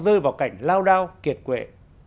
rơi vào cảnh lao đao kiệt quệ